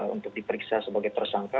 untuk diperiksa sebagai tersangka